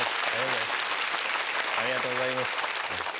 ありがとうございます。